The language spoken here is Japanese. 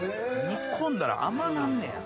煮込んだら甘なんねや。